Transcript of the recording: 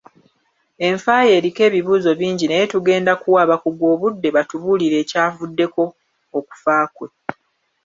Enfa ye eriko ebibuuzo bingi naye tugenda kuwa abakugu obudde batubuulire ekyavuddeko okufa kwe.